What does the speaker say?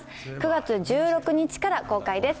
９月１６日から公開です。